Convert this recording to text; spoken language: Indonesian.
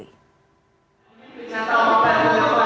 ini dicatat oleh bapak nmb